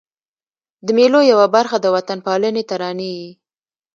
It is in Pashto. د مېلو یوه برخه د وطن پالني ترانې يي.